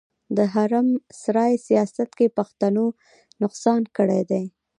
د حرم سرای سياست کې پښتنو نقصان کړی دی.